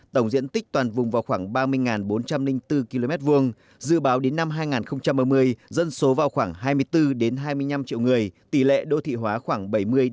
tổng diện tích toàn vùng vào khoảng ba mươi bốn trăm linh bốn km hai dự báo đến năm hai nghìn ba mươi dân số vào khoảng hai mươi bốn hai mươi năm triệu người tỷ lệ đô thị hóa khoảng bảy mươi ba mươi